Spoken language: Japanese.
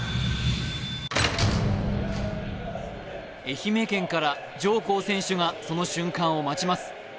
愛媛県から上甲選手がその瞬間を待ちます。